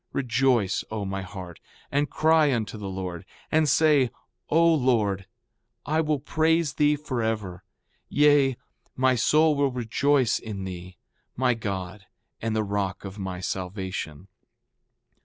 4:30 Rejoice, O my heart, and cry unto the Lord, and say: O Lord, I will praise thee forever; yea, my soul will rejoice in thee, my God, and the rock of my salvation.